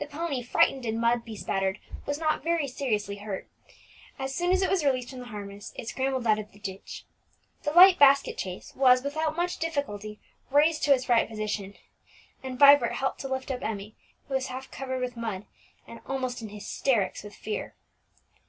The pony, frightened and mud bespattered, but not very seriously hurt, as soon as it was released from the harness, scrambled out of the ditch. The light basket chaise was, without much difficulty, raised to its right position; and Vibert helped to lift up Emmie, who was half covered with mud, and almost in hysterics with fear.